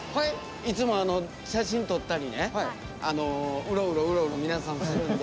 いつも写真撮ったりねうろうろうろうろ皆さんするんで。